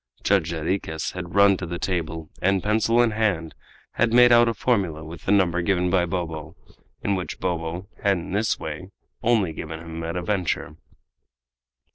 Judge Jarriquez had run to the table, and, pencil in hand, had made out a formula with the number given by Bobo, and which Bobo had in this way only given him at a venture.